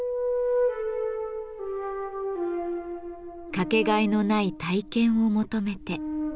かけがえのない体験を求めて。